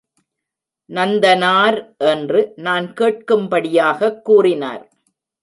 நந்தனார்! என்று நான் கேட்கும் படியாகக் கூறினார்.